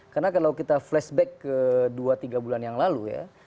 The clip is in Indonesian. karena kalau kita flashback ke dua tiga bulan yang lalu ya